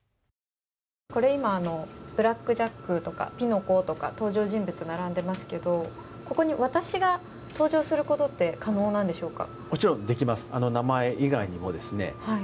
これ、今ブラック・ジャックとかピノコとか登場人物が並んでいますがここに私が登場することって可能なんでしょうか。